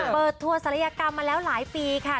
ทัวร์ศัลยกรรมมาแล้วหลายปีค่ะ